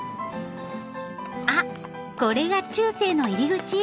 あっこれが中世の入り口？